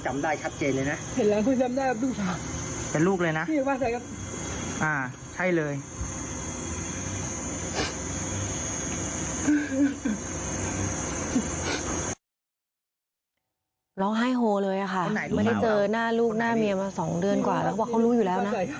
ไม่ได้เจอหน้าลูกหน้าเมียมา๒เดือนกว่าแล้วเขารู้อยู่แล้วนะ